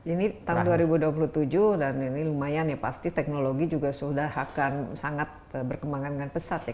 ini tahun dua ribu dua puluh tujuh dan ini lumayan ya pasti teknologi juga sudah akan sangat berkembangkan dengan pesat ya